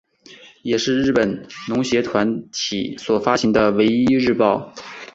也是日本农协团体所发行的唯一日报。